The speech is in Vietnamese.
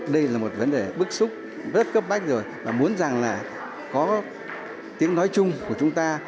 đây là một vấn đề bức xúc rất cấp bách rồi và muốn rằng là có tiếng nói chung của chúng ta